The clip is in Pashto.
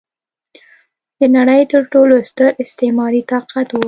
د نړۍ تر ټولو ستر استعماري طاقت و.